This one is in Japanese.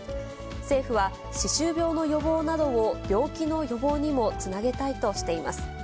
政府は、歯周病の予防などを病気の予防にもつなげたいとしています。